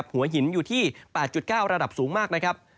หัวหินอยู่ที่๘๙ระดับสูงมาก